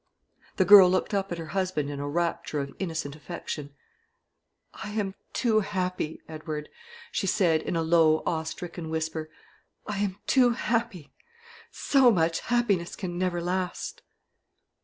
The girl looked up at her husband in a rapture of innocent affection. "I am too happy, Edward," she said, in a low awe stricken whisper "I am too happy! So much happiness can never last."